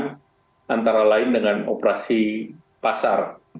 yang antara lain dengan operasi pasar